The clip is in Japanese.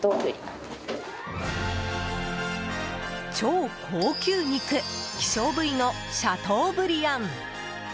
超高級肉希少部位のシャトーブリアン。